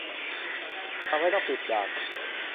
ทำให้ต้องปิดด่าน